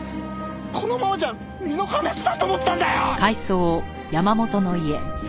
このままじゃ身の破滅だと思ったんだよ！